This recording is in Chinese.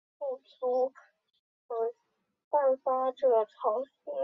王子雀鲷为辐鳍鱼纲鲈形目隆头鱼亚目雀鲷科雀鲷属的鱼类。